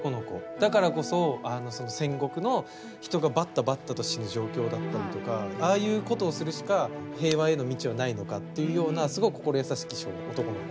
だからこそ戦国の人がバッタバッタと死ぬ状況だったりとかああいうことをするしか平和への道はないのかっていうようなすごく心優しき男の子。